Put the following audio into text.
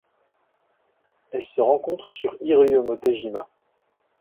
Elle se rencontre sur Iriomote-jima.